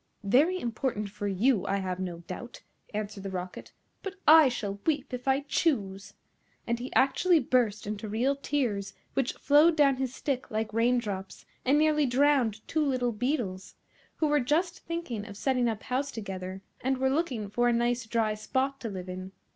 "Very important for you, I have no doubt," answered the Rocket, "but I shall weep if I choose;" and he actually burst into real tears, which flowed down his stick like rain drops, and nearly drowned two little beetles, who were just thinking of setting up house together, and were looking for a nice dry spot to live in.